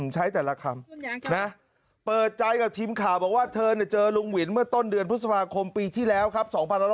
ใช้แต่ละคำนะเปิดใจกับทีมข่าวบอกว่าเธอเจอลุงวินเมื่อต้นเดือนพฤษภาคมปีที่แล้วครับ